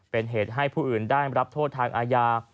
เป็นเหตุให้ผู้อื่นได้รับโทษทางอาญา